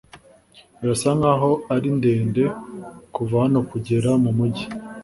Birasa nkaho ari ndende kuva hano kugera mumujyi.